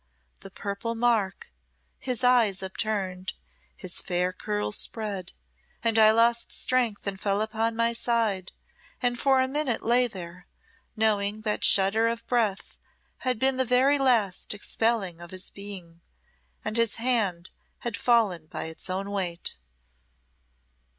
the purple mark his eyes upturned his fair curls spread; and I lost strength and fell upon my side, and for a minute lay there knowing that shudder of breath had been the very last expelling of his being, and his hand had fallen by its own weight."